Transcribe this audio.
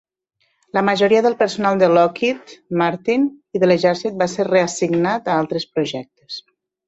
La majoria del personal de Lockheed Martin i de l'exèrcit va ser reassignat a altres projectes.